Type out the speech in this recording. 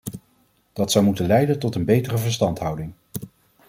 Dat zou moeten leiden tot een betere verstandhouding.